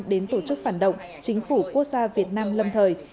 đến tổ chức phản động chính phủ quốc gia việt nam lâm thời